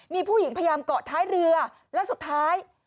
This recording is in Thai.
มีผู้หญิงพยายามเกาะท้ายเรือแล้วสุดท้าย